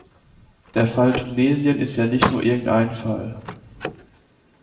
Der Fall Tunesien ist ja nicht nur irgendein Fall.